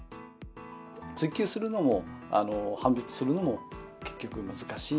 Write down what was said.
追及するのも、判別するのも、結局、難しい。